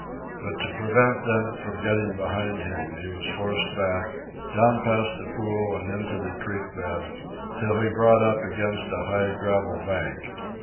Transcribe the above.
But to prevent them from getting behind him, he was forced back, down past the pool and into the creek bed, till he brought up against a high gravel bank.